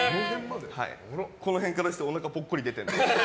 この辺から下おなかぽっこりでてる。